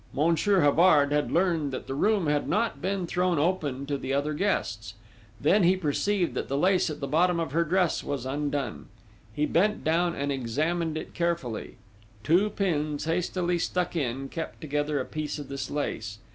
Monsieur Havard had learned that the room had not been thrown open to the other guests. Then he perceived that the lace at the bottom of her dress was undone. He bent down and examined it carefully: two pins, hastily stuck in, kept together a piece of this lace....